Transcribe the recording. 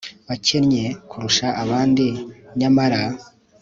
bakennye kurusha abandi nyamara